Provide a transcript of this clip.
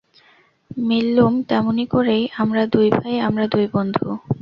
মিললুম তেমনি করেই–আমরা দুই ভাই, আমরা দুই বন্ধু।